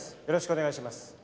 よろしくお願いします。